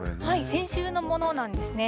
先週のものなんですね。